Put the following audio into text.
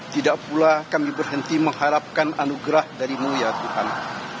tidak pula kami berhenti mengharapkan anugerah dari muhafiz